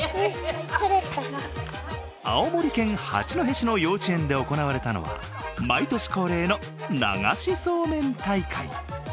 青森県八戸市の幼稚園で行われたのは毎年恒例の、流しそうめん大会。